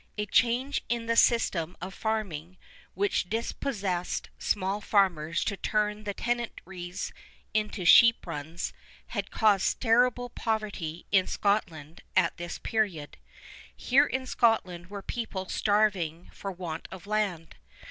A change in the system of farming, which dispossessed small farmers to turn the tenantries into sheep runs, had caused terrible poverty in Scotland at this period. Here in Scotland were people starving for want of land.